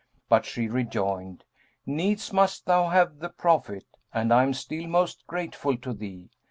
But she rejoined, 'Needs must thou have the profit, and I am still most grateful to thee.'